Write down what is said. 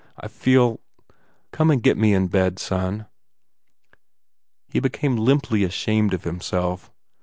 I feel. ... Come and get me in bed, son." He became limply ashamed of himself.